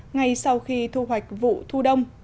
ngay sau khi thu hoạch vụ thu đông